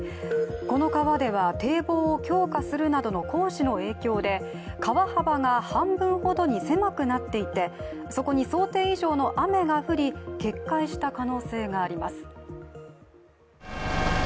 この川では堤防を強化するなどの工事の影響で川幅が半分ほどに狭くなっていてそこに想定以上の雨が降り決壊した可能性があります。